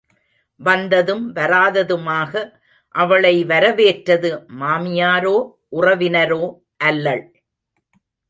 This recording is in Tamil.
வந்ததும் வராததுமாக அவளை வரவேற்றது மாமியாரோ உறவினரோ அல்லள்.